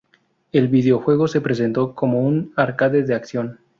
El videojuego se presentó como un arcade de acción.